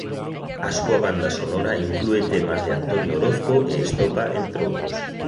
A súa banda sonora inclúe temas de Antonio Orozco e Estopa entre outros.